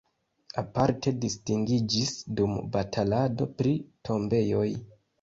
Aparte distingiĝis dum batalado pri tombejoj.